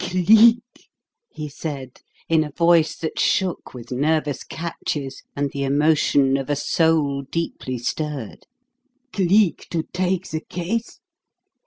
"Cleek!" he said, in a voice that shook with nervous catches and the emotion of a soul deeply stirred, "Cleek to take the case?